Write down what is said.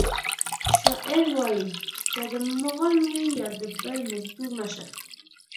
شاعر وایی که د مغل وي یا د بل مزدور مه شه